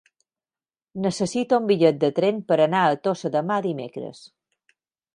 Necessito un bitllet de tren per anar a Tossa de Mar dimecres.